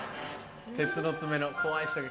鉄の爪の怖い人が。